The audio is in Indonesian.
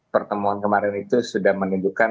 pertemuan kemarin itu sudah menunjukkan